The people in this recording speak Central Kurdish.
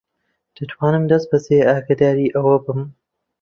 دەتوانم دەستبەجێ ئاگاداری ئەوە بم.